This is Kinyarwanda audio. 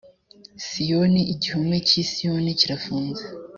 siyoni igihome cy’i siyoni kirafunze